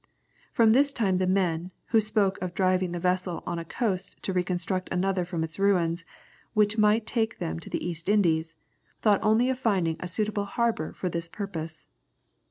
From this time the men, who spoke of driving the vessel on a coast to reconstruct another from its ruins, which might take them to the East Indies, thought only of finding a suitable harbour for the purpose.